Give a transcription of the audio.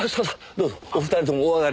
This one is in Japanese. どうぞお二人ともお上がりに。